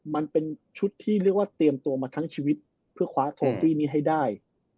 มันเป็นชุดที่เรียกว่าเตรียมตัวมาทั้งชีวิตเพื่อคว้าทองตี้นี้ให้ได้